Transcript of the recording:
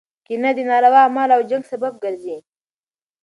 کینه د ناروا اعمالو او جنګ سبب ګرځي.